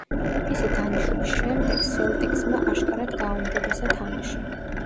მისი დანიშვნის შემდეგ სელტიკსმა აშკარად გააუმჯობესა თამაში.